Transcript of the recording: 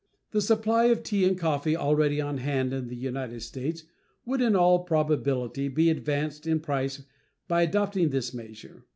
The supply of tea and coffee already on hand in the United States would in all probability be advanced in price by adopting this measure.